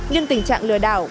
nhưng tình trạng lừa đảo